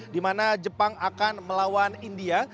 di mana jepang akan melawan india